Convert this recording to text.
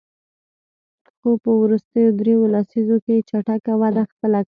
خو په وروستیو دریوو لسیزو کې یې چټکه وده خپله کړې.